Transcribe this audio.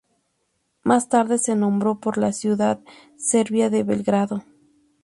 Más tarde se nombró por la ciudad serbia de Belgrado.